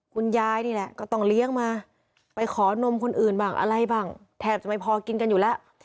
คุณยายนี่แหละก็ต้องเลี้ยงมาไปขอนมคนอื่นบ้างอะไรบ้างแทบจะไม่พอกินกันอยู่แล้ว